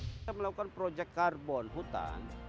kita melakukan proyek karbon hutan